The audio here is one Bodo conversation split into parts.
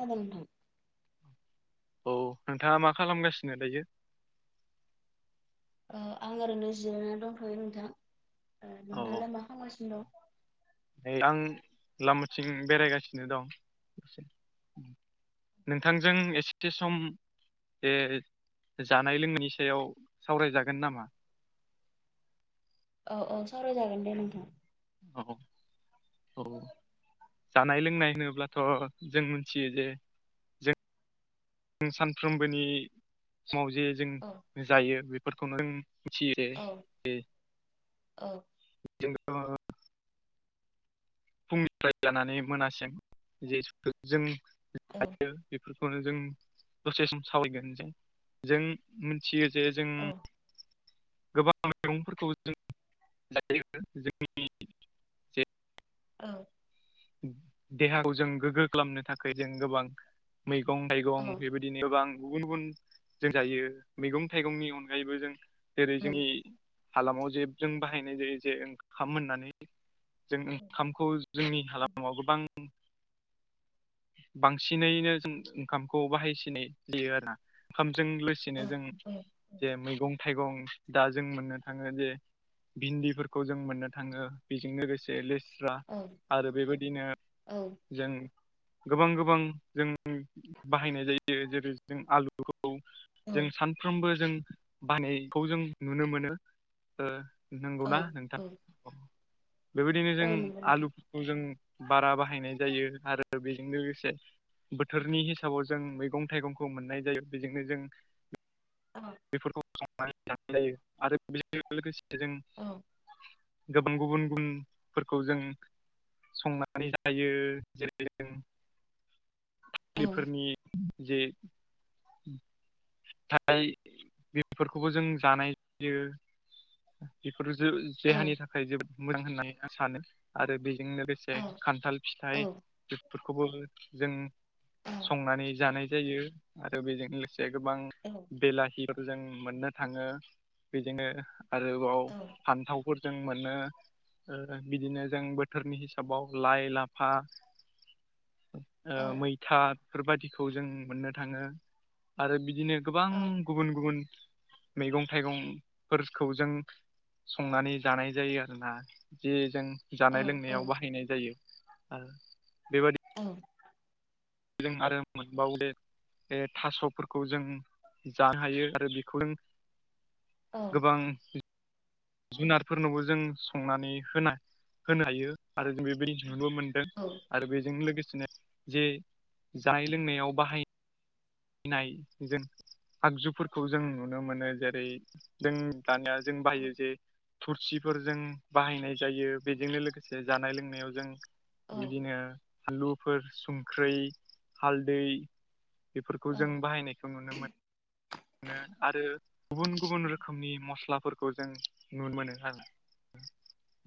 गाबोनथ औ नोंथाङा मा खालामगासिनो दायो? आं ओरैनो जिरायनानै दंथ'यो नोंथां औ नोंथाङालाय मा खालामगासिनो दं? नै आं लामाथिं बेरायगासिनो दं। नोंथांजों एसे सम बे जानाय लोंनायनि सायाव सावरायजागोन नामा? औ औ सावरायजागोन दे नोंथां औ औ जानाय लोंनाय होनोब्लाथ' जों मोनथियो जे जों सानफ्रोमबोनि समाव जे जों औ जायो बेफोरखौनो जों औ जों औ [unintelligible] फुंनिफ्राय जानानै मोनासिम ज जों औ जायो नो जों दसे सम सावरायगोन जे जों मिथियो जे जों औ गोबां माइरंफोरखौ जों लायो जोंनि [unintelligible] जे औ देहाखौ जों गोग्गो खालामनो थाखाय जों गोबां मैगं- औ थाइगं बेबायदि बिदिनो गोबां गुबुन गुबुन जों जायो मैगं -थाइगंनि अनगायैबो जों जेरै औ जोंनि हालामाव जे जों बाहायनाय जायो जे ओंखाम होननानै जों ओंखामखौ जोंनि हालामाव गोबां बांसिनैनो जों ओंखामखौ बाहायसिनै जायो आरोना। ओंखामजों लोगोसेनो जों जे मैगं थाइगं दा जों मोननो थाङो जे भिन्दिफोरखौ जों मोननो थाङो बेजों लोगोसे [unintelligible] [unintelligible] आरो बेबायदिनो जों गोबां गोबां जों बाहायनाय जायो जेरै जों आलुखौ जों सानफ्रोमबो जों बायनायखौ जों नुनो मोनो। औ नंगौना नोंथां। बेबायदिनो औ जों नंगौ नोंथां आलुफोरखौ जों बारा बाहायनाय जायो आरो आरो बेजों लोगोसे बोथोरनि हिसाबाव जों मैगं- थाइगंखौ मोननाय जायो बेजोंनो जों औ। बेफोरखौ खालामनानै लानाय जायो आरो बेजों लोगोसे जों औ गोबां गुबुन गुबुनफोरखौ जों संनानै जायो जेरै जों औ बेफोरनि जे [unintelligible] बेफोरखौबो जों जानाय जायो। बेफोरजों जे औ देहानि थाखाय जोबोद मोजां होननानै आं सानो आरो बेजोंनो बे जे औ खान्थाल औ फिथाइ औ औ बेफोरखौबो जों संनानै जानाय जायो आरो बेजों लोगोसे गोबां औ। बेलाहिफोर जों मोननो थाङो बेजोंनो आरोबाव फान्थाव -फोर जों मोनो बिदिनो जों बोथोरनि हिसाबाव लाइ, लाफा औ। ओ मैथा बेफोरबायदिखौ जों मोननो थाङो आरो बिदिनो गोबां औ गुबुन गुबुन मैगं -थाइगंफोरखौ जों संनानै जानाय जायो आरोना जे जों जानाय लोंनायाव बाहायनाय जायो आरो बेबायदि ओं। जों आरो मोनबावदो थास'फोरखौ जों जानो हायो आरो बेखौ नों गोबां जुनारफोरनोबो जों संनानै होना होनो हायो आरो जों बे नुनो मोनदों आरो बेजों लोगोसेनो जे जानाय लोंनायाव बाहायनाय फिनाय जों आगजुफोरखौ जों नुनो मोनो जेरै जों दानिया जों औ औ बाहायो जे थुरसिफोर जों बाहायनाय जायो बेजोंनो लोगोसे जानाय लोंनायाव जों बिदिनो फानलुफोर, संख्रै, हालदै बेफोरखौ जों बाहायनायखौ नुनो मोनो आरो गुबुन गुबुन रोखोमनि मस्लाफोरखौ जों नुनो मोनो आरो।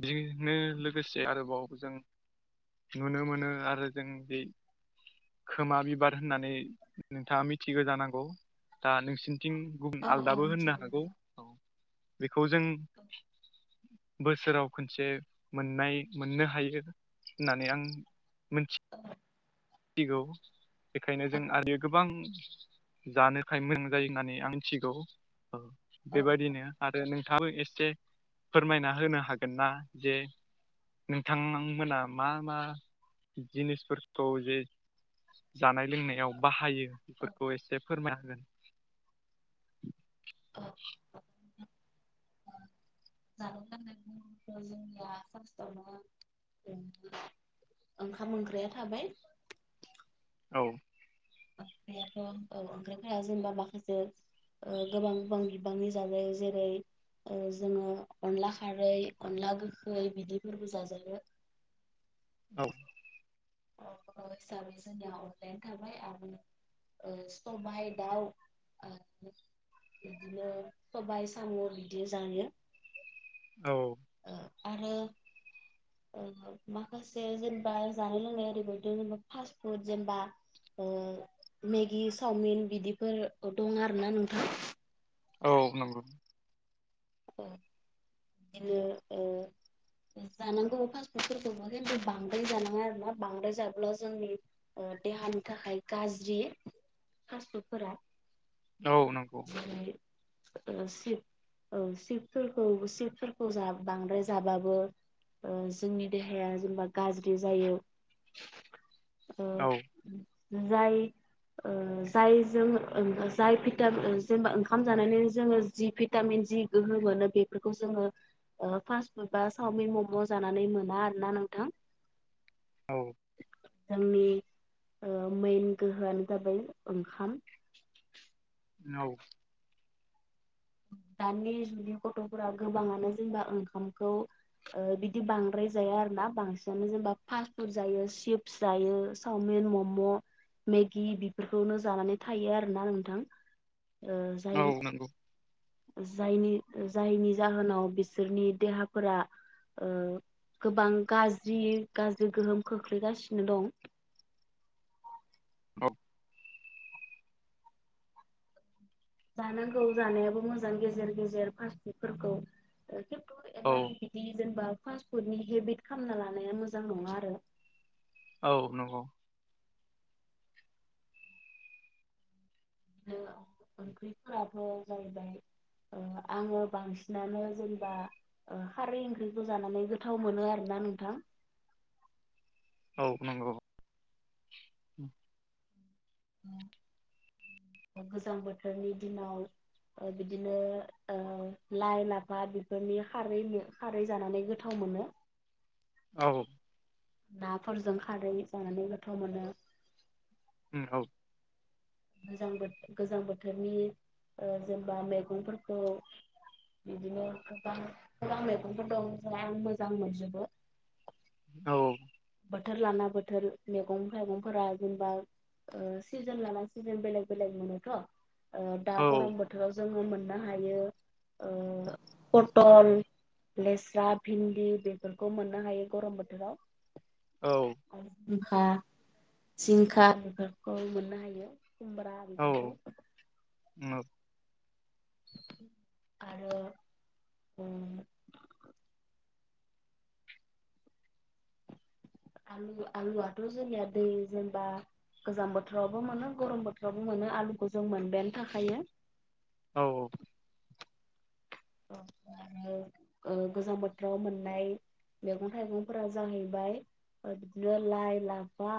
बेजोंनो लोगोसे आरोबाव जों नुनो मोनो आरो जों बे खोमा बिबार होननानै नोंथाङा मिथिगौ जानांगौ दा नोंसिनिथिं गुबुन औ आलदाबो होननो मिथिगौ हागौ नोंथां बेखौ जों बोसोराव खनसे मोननाय मोननो हायो। होननानै आं मोनथि औ। मिथिगौ बेखायनो जों आरो गोबां जानोखाय मोनजायो होननानै आं मिथिगौ। औ बेबायदिनो आरो नोंथाङाबो एसे फोरमायना होनो हागोन ना जे नोंथां आंमोना मा मा जिनिसफोरखौ जे जानाय लोंनायाव बाहायो औ बिफोरखौ एसे फोरमायना हो औ [inaudible] [unintelligible] थाखाय ओ जोंनिया फार्स्टआवनो [unintelligible] ओंखाम ओंख्रैया थाबाय औ ओंख्रियाथ' औ ओंख्रिफोरा जेनेबा माखासे ओ गोबां गोबां बिबांनि जाजायो जेरै ओ जोङो अनला खारै अनला गोखै बिदिफोरबो जाजायो औ अ' हिसाबै जोंनिया अनलायानो थाबाय आरो ओ सबाय दाउ ओ बिदिनो सबाय साम' बिदि जायो औ ओ आरो ओ माखासे जेनेबा जानाय लोंनाय ओरिबायदि जेनेबा फास्ट फुड जेनेबा ओ मेगि चावमिन बिदिफोर दं आरोना नोंथां औ नोंगौ ओ बिदिनो ओ जानांगौ फास्ट फुडफोरखौबो खिन्थु बांद्राय जानाङा आरो ना बांद्राय जाब्ला जोंनि ओ देहानि थाखाय गाज्रि फास्ट फुडफोरा औ नंगौ जानाय ओ सिप औ चिप्सफोरखौ चिप्सफोरखौ जा बांद्राय जाबाबो ओ जोंनि देहाया जेनेबा गाज्रि जायो [inaudible] ओ जाय ओ जाय जों जाय भिटाम जेनेबा ओंखाम जानानै जोङो जि भिटामिन जि गोहो मोनो बेफोरखौ जोङो ओ फास्ट फुड बा चावमिन मम' जानानै मोना आरो ना नोंथां औ [inaudible] जोंनि ओ मेइन गोहोआनो जाबाय ओंखाम औ दानि जुगनि गथ'फोरा गोबाङानो जेनेबा ओंखामखौ ओ बिदि बांद्राय जाया आरो ना बांसिनानो जेनेबा फास्ट फुड जायो चिप्स जायो सावमिन मम' मेगि बिफोरखौनो जानानै थायो आरोना नोंथां ओ औ जाय नंगौ ओ जायनि जायनि जाहोनाव बिसोरनि देहाफोरा ओ गोबां गाज्रि गाज्रि गोहोम खोख्लैगासिनो दं [unintelligible] जानांगौ जानायाबो मोजां गेजेर गेजेर फाफुतफोरखौ खिन्थु औ एमान इदि बि जेनेबा फास्टफुदनि हेबिट खालामना लानाया मोजां नङा आरो औ नंगौ दिनो ओंख्रिफोराबो जाहैबाय ओ आङो बांसिनानो जेनेबा ओ खारै ओंख्रिखौ जानानै गोथाव मोनो आरो ना नोंथां औ नंगौ उम [inaudible] गोजां बोथोरनि दिनाव ओ बिदिनो ओ लाइ लाफा बेफोरनि खारै खारै जानानै गोथाव मोनो औ नाफोरजों खारै जानानै गोथाव मोनो। उम औ गोजां बोथोर गोजां बोथोरनि जेनेबा मैगंफोरखौ बिदिनो गोबां गोबां मैगंफोर दं जाय आं मोजां मोनजोबो। औ बोथोर लाना बोथोर मैगं थाइगंफोरा जेनेबा सिजोन लाना सिजोन बेलेग बेलेग मोनोथ' दा औ गरम बोथोराव जोङो मोननो हायो पटल लेस्रा भिन्दि बेफोरखौ मोननो हायो गरम बोथोराव औ जिखा जिंखा बेफोरखौ मोननो हायो खुमब्रा बिदिखौ [unintelligible] आरो ओ आलु आलुआथ' जोंनिया दै जेनेबा गोजां बोथोरावबो मोनो गरम बोथोरावबो मोनो आलुखौ जों मोनबायानो थाखायो। औ औ औ आरो [inaudible] गोजां बोथोराव मोननाय मैगं थाइगंफोरा जाहैबाय लाइ लाफा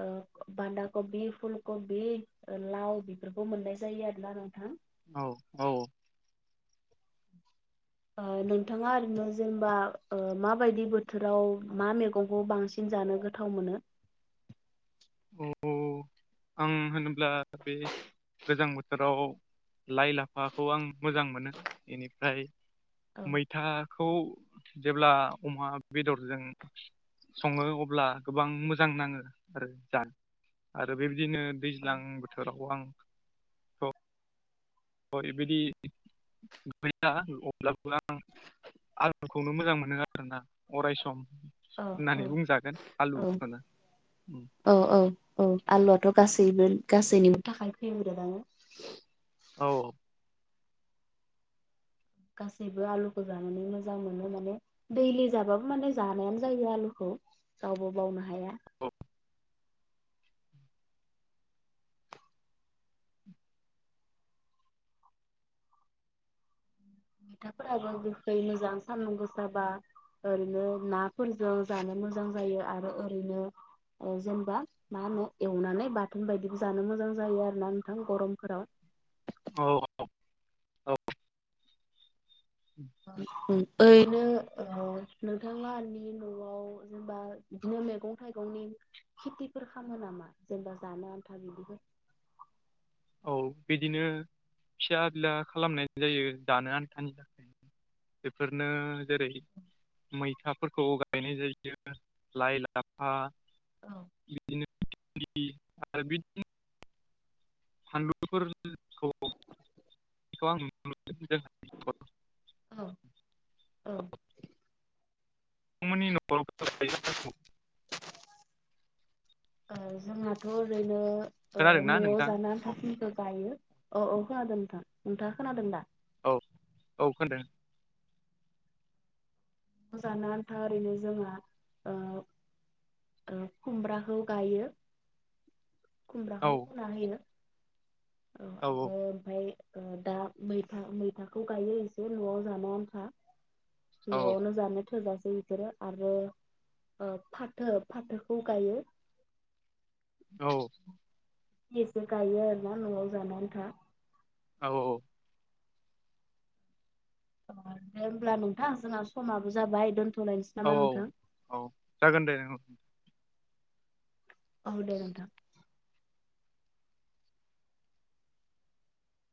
ओ बान्दा कबि फुल कबि लाव बेफोरखौ मोननाय जायो आरोना नोंथां। औ औ नोंथाङा ओरैनो जेनेबा माबायदि बोथोराव मा मैगंखौ बांसिन जों जानो गोथाव मोनो। औ आं होनोब्ला बे गोजां बोथोराव लाइ लाफाखौ आं मोजां मोनो बेनिफ्राय औ मैथाखौ जेब्ला अमा बेदरजों सङो अब्ला गोबां मोजां नाङो आरो जानो। आरो बेबायदिनो दैज्लां औ बोथोराव आं अबायदि गैया अब्लाबो आं आलुखौनो मोजां मोनो आरो ना अराय सम। औ होननानै बुंजागोन औ आलुखौनो। औ औ औ आलुआथ' गासैबो गासैनिबो थाखाय फैबोदो आनो। औ गासैबो आलुखौ जानानै मोजां मोनो माने दैलि जाबाबो माने जानायानो जायो आलुखौ रावबो बावनो हाया। औ मैथाफोराबो गोखै मोजां सानदुं गोसा बा ओरैनो नाफोरजों जानो मोजां जायो आरो ओरैनो ओ जेनेबा मा होनो एवनानै बाथोन बायदिबो जानो मोजां जायो आरो ना नोंथां गरमफोराव। औ औ औ [inaudible] ओरैबो ओ नोंथां [inaudible] न'आव जेनेबा बिदिनो मैगं थाइगंनि खेथिफोर खालामो नामा जेनेबा जानो आन्था बिदिफोर? औ बिदिनो फिसा बिला खालामनाय जायो जानो आन्थानि थाखाय बेफोरनो जेरै मैथाफोरखौ गायनाय जायो लाइ लाफा बिदिनो आरो बिदिनो फानलुफोरखौ आं नुनो मोनो‌ जोंहा औ औ बिथांमोननि न'खर [unintelligible] ओ जोंहाथ' ओरैनो ओ खोनादोंना न'आव नोंथां जानो औ आनथाखिनिखो गायो अ अ खोनादों नोंथां नोंथाङा खोनादों दा? औ औ खोनादों। जानो आन्था ओरैनो जोंहा ओ ओ खुमब्राखौ गायो औ खुमब्राखौ खुना होयो औ औ आरो ओमफ्राय ओ दा मैथा मैथाखौ गायो एसे न'आव जानो आन्था औ औ न'आवनो जानो थोजासे बिफोरो आरो ओ फाथो फाथोखौ गायो औ एसे इसे गायो आरोना न'आव जानो आन्था। औ औ अ दे होमब्ला नोंथां जोंना समाबो जाबाय दोन्थ'लायनोसै औ औ जागोन दे ओं औ दे नोंथां